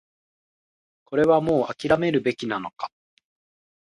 これはもう諦めるべきなのか